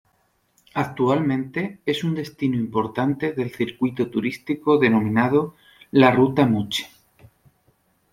Actualmente es un destino importante del circuito turístico denominado la Ruta Moche.